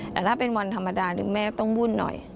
แต่ถ้าเป็นวันธรรมดาแม่ต้องวุ่นหน่อย